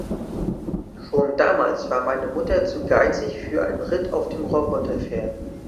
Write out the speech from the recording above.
Schon damals war meine Mutter zu geizig für einen Ritt auf dem Roboterpferd.